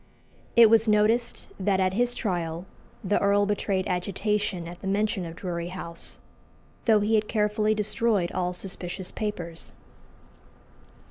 It was noticed that at his trial the earl betrayed agitation at the mention of Drury House, though he had carefully destroyed all suspicious papers.